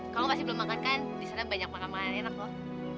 kamu kasih belum makan kan di sana banyak makanan enak loh